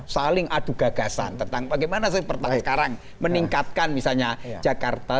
saling adu gagasan tentang bagaimana saya sekarang meningkatkan misalnya jakarta